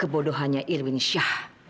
kebodohannya irwin shah